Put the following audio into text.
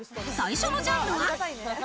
最初のジャンルは。